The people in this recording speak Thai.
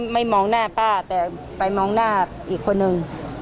มองหน้าป้าแต่ไปมองหน้าอีกคนนึง